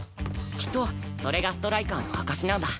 きっとそれがストライカーの証しなんだ。